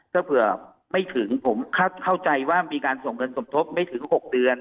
ถ้าเผื่อไม่ถึงผมเข้าใจว่ามีการส่งเงินสมทบไม่ถึง๖เดือน